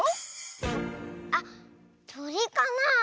あっとりかな？